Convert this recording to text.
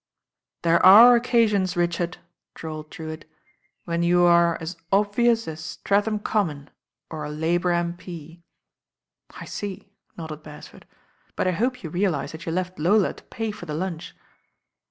"There are occasions, Richard," drawled Drewitt, "when you are as obvious as Streatham Common, or a Labour M.P." "I see," nodded Beresford, "but J hope you realise that you left Lola to pay for the lunch."